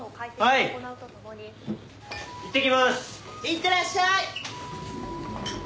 いってらっしゃい。